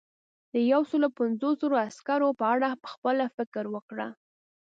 د یو سلو پنځوس زرو عسکرو په اړه پخپله فکر وکړه.